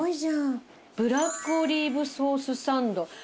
「ブラックオリーブソースサンド」